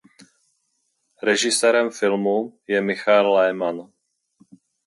Režisérem filmu je Michael Lehmann.